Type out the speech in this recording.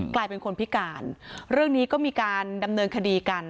กลายเป็นคนพิการเรื่องนี้ก็มีการดำเนินคดีกัน